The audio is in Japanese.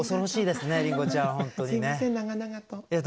すみません長々と。